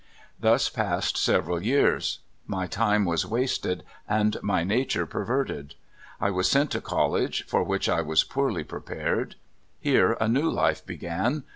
Thus passed several years. My time was wasted, and my nature perverted. . I was sent to college, for which I was but poorly prepared. Here a new life begun.